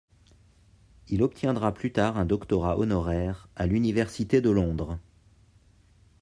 Il obtiendra plus tard un doctorat honoraire à l’université de Londres.